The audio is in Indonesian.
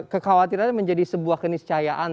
kekhawatiran menjadi sebuah keniscayaan